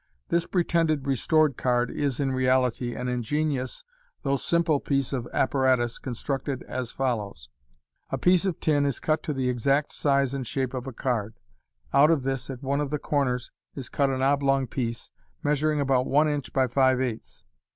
This pretended restored card is, in reality, an ingenious though simple piece of apparatus, constructed as follows :— A piece of tin is cut to the exact size and shape of a card ; out of this, at one of the corners, is cut an oblong piece, measuring about one inch by five eighths.